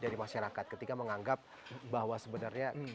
dari masyarakat ketika menganggap bahwa sebenarnya